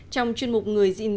trong chuyên mục người diện biên